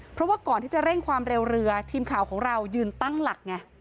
เพราะว่าก่อนที่จะเร่งความเร็วเรือทีมข่าวของเรายืนตั้งหลักไง